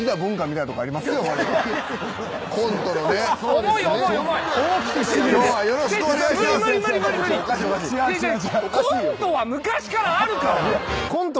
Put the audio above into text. コントは昔からあるから。